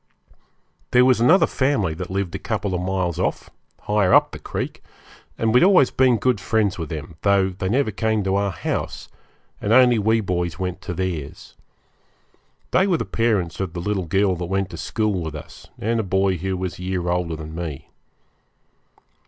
There was another family that lived a couple of miles off, higher up the creek, and we had always been good friends with them, though they never came to our house, and only we boys went to theirs. They were the parents of the little girl that went to school with us, and a boy who was a year older than me.